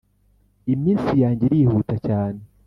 Iminsi yanjye irihuta cyane